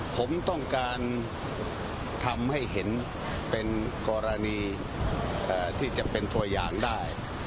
ผมต้องการทำให้เห็นเป็นกรณีที่จะเป็นตัวอย่างได้